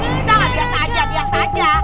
bisa biasa aja biasa biasa aja